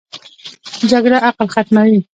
جګړه عقل ختموي